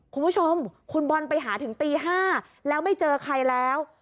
คุณผู้ชมคุณบอลไปหาถึงตี๕แล้วไม่เจอใครแล้ว